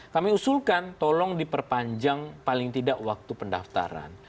kami usulkan tolong diperpanjang paling tidak waktu pendaftaran